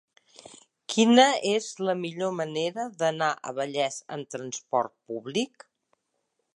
Quina és la millor manera d'anar a Vallés amb transport públic?